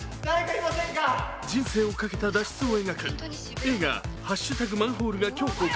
人生をかけた脱出を描く映画「＃マンホール」が今日公開。